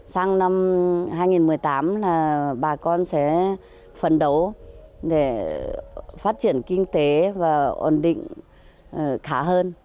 sang năm hai nghìn một mươi tám là bà con sẽ phấn đấu để phát triển kinh tế và ổn định khá hơn